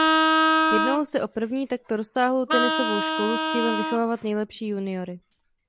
Jednalo se o první takto rozsáhlou tenisovou školu s cílem vychovávat nejlepší juniory.